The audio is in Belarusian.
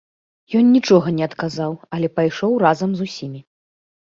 Ён нічога не адказаў, але пайшоў разам з усімі.